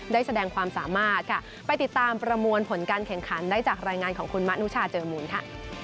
ได้แสดงความสามารถค่ะไปติดตามประมวลผลการแข่งขันได้จากรายงานของคุณมะนุชาเจอมูลค่ะ